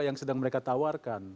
yang sedang mereka tawarkan